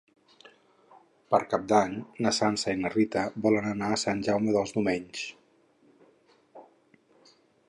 Per Cap d'Any na Sança i na Rita volen anar a Sant Jaume dels Domenys.